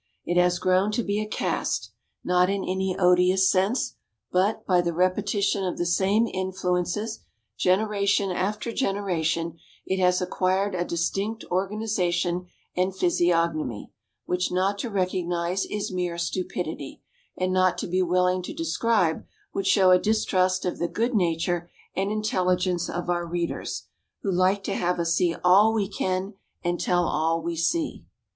It has grown to be a caste, not in any odious sense; but, by the repetition of the same influences, generation after generation, it has acquired a distinct organization and physiognomy, which not to recognize is mere stupidity, and not to be willing to describe would show a distrust of the good nature and intelligence of our readers, who like to have us see all we can and tell all we see.